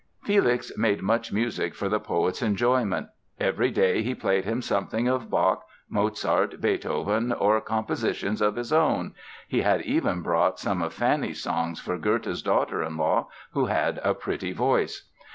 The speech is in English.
Felix made much music for the poet's enjoyment. Every day he played him something of Bach, Mozart, Beethoven or compositions of his own (he had even brought some of Fanny's songs for Goethe's daughter in law, who had a pretty voice).